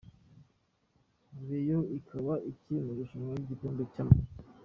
Rayon ikaba ikiri mu irushanwa ry’igikombe cy’Amahoro.